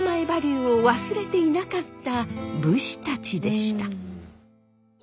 バリューを忘れていなかった武士たちでした。